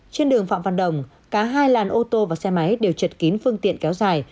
trên đường phạm văn đồng cả hai làn ô tô và xe máy đều chật kín phương tiện kéo dài